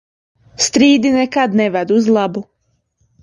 Strīdi nekad neved uz labu.